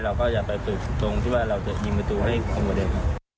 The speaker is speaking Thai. เราก็อย่าไปตึกตรงที่ว่าเราจะยิงประตูให้คุ้มกว่าเดิม